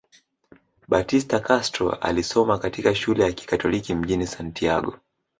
Batista Castro alisoma katika shule ya kikatoliki mjini Santiago